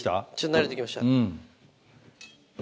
慣れてきました。